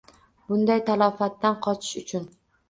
Bunday talofatdan qochish uchun